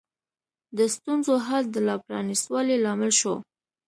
د ستونزو حل د لا پرانیست والي لامل شو.